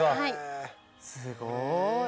すごい。